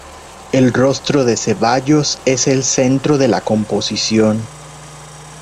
El rostro de Cevallos es el centro de la composición.